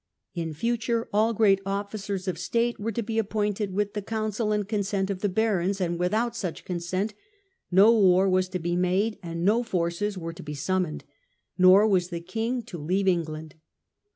In future all great officers of state were to be appointed with the counsel and consent of the barons, and without such consent no war was to be made and no forces were to be summoned, nor was the king to leave England.